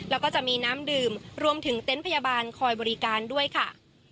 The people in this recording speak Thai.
แล้วก็จะมีน้ำดื่มรวมถึงเต็นต์พยาบาลคอยบริการด้วยค่ะ